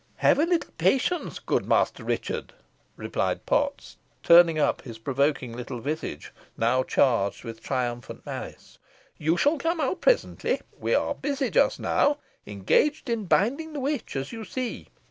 "Have a little patience, good Master Richard," replied Potts, turning up his provoking little visage, now charged with triumphant malice. "You shall come out presently. We are busy just now engaged in binding the witch, as you see.